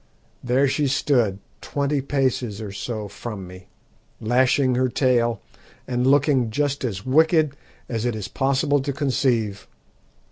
There she stood, twenty paces or so from me, lashing her tail and looking just as wicked as it is possible to conceive.